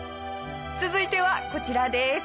続いてはこちらです。